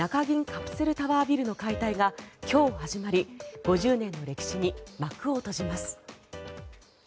カプセルタワービルの解体が今日始まり５０年の歴史に幕を閉じます。